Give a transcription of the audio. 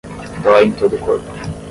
Dói em todo o corpo